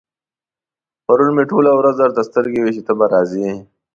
پرون مې ټوله ورځ درته سترګې وې چې ته به راځې.